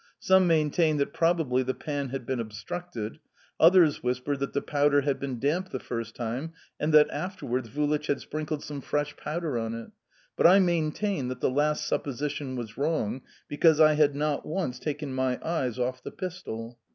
Some maintained that probably the pan had been obstructed; others whispered that the powder had been damp the first time, and that, afterwards, Vulich had sprinkled some fresh powder on it; but I maintained that the last supposition was wrong, because I had not once taken my eyes off the pistol.